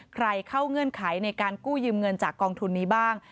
เข้าเงื่อนไขในการกู้ยืมเงินจากกองทุนนี้บ้าง